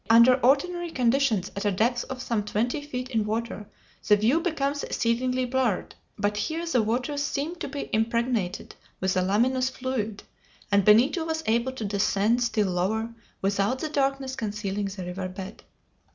Under ordinary conditions, at a depth of some twenty feet in water, the view becomes exceedingly blurred, but here the waters seemed to be impregnated with a luminous fluid, and Benito was able to descend still lower without the darkness concealing the river bed.